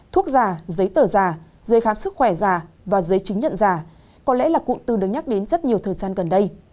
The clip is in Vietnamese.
thuốc già giấy tờ già giấy khám sức khỏe già và giấy chứng nhận già có lẽ là cụm từ đứng nhắc đến rất nhiều thời gian gần đây